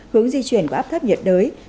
hướng di chuyển của áp thấp nhiệt đới